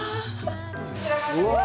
うわ。